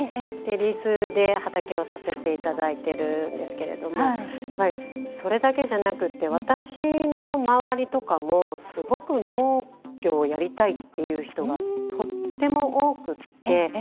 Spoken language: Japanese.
リースで畑をさせていただいてるんですがそれだけじゃなくて私の周りとかもすごく農業をやりたいっていう人がとっても多くて。